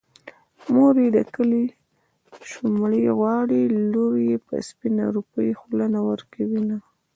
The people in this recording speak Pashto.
مور يې د کلي شومړې غواړي لور يې په سپينه روپۍ خوله نه ورکوينه